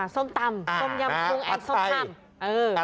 ส้มตำตาตาจรวมส้มพร้ำ